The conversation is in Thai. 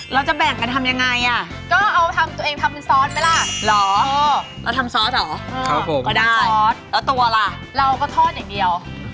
เราจะแบ่งกันทำยังไงอ่ะก็เอาทำตัวเองทำเป็นซอสไหมล่ะเหรอเราทำซอสเหรอก็ได้ซอสแล้วตัวล่ะเราก็ทอดอย่างเดียว